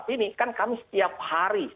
ini kan kami setiap hari